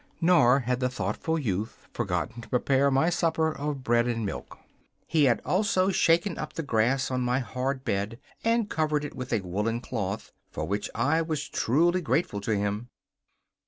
Nor had the thoughtful youth forgotten to prepare my supper of bread and milk. He had also shaken up the grass on my hard bed, and covered it with a woollen cloth, for which I was truly grateful to him.